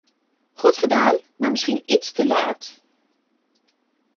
Goed gedaan, maar misschien iets te laat.